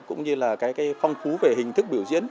cũng như là cái phong phú về hình thức biểu diễn